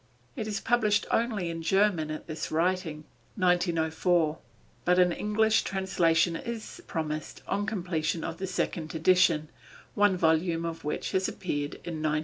It is published only in German at this writing (1904), but an English translation is promised on completion of the second edition, one volume of which has appeared in 1902.